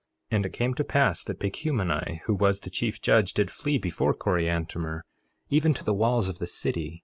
1:21 And it came to pass that Pacumeni, who was the chief judge, did flee before Coriantumr, even to the walls of the city.